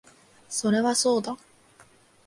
それはそうだ